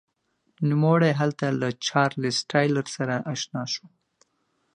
نوموړی هلته له چارلېز ټایلر سره اشنا شو.